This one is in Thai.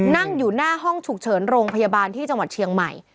นั่งอยู่หน้าห้องฉุกเฉินโรงพยาบาลที่จังหวัดเชียงใหม่